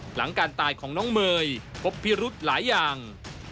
หลังการตายของน้องเมย์พบพิรุธหลายอย่าง